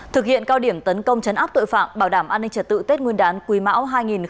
thực hiện cao điểm tấn công chấn áp tội phạm bảo đảm an ninh trật tự tết nguyên đán quý mão hai nghìn hai mươi bốn